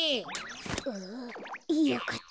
ああよかった。